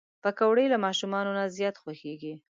پکورې له ماشومانو نه زیات خوښېږي